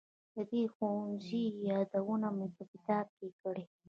د دې ښوونځي یادونه مې په کتاب کې کړې.